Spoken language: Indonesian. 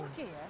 dengan turki ya